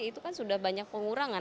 itu kan sudah banyak pengurangan